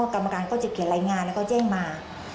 กรรมการก็จะเขียนรายงานแล้วก็แจ้งมา